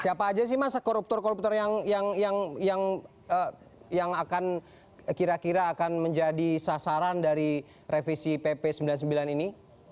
siapa aja sih mas koruptor koruptor yang akan kira kira akan menjadi sasaran dari revisi pp sembilan puluh sembilan ini